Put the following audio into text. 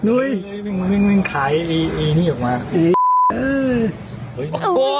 โอ้ยแม่งไข่ไอ้นี้ออกมา